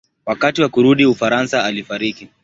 Wakati wa kurudi Ufaransa alifariki.